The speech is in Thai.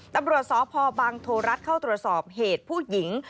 ตำรวจสพบังโทรรัฐเข้าตรวจสอบเหตุผู้หญิง